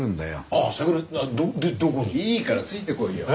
いいからついてこいよ。